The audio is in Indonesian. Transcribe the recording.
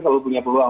selalu punya peluang